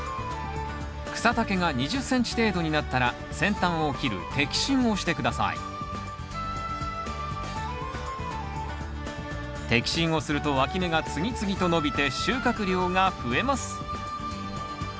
草丈が２０ｃｍ程度になったら先端を切る摘心をして下さい摘心をするとわき芽が次々と伸びて収穫量が増えます